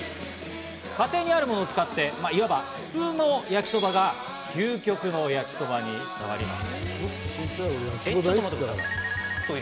家庭にあるものを使って、いわば普通の焼きそばが究極の焼きそばに変わります。